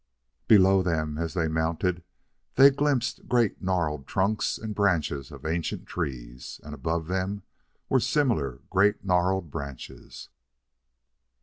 Below them, as they mounted, they glimpsed great gnarled trunks and branches of ancient trees, and above them were similar great gnarled branches.